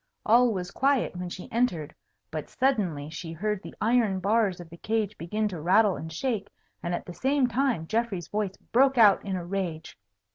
All was quiet when she entered; but suddenly she heard the iron bars of the cage begin to rattle and shake, and at the same time Geoffrey's voice broke out in rage.